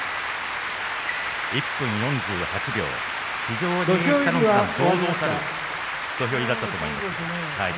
１分４８秒、非常に堂々たる土俵入りだったと思います。